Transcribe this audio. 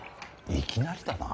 いきなりだな。